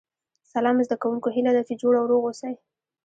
سلام زده کوونکو هیله ده چې جوړ او روغ اوسئ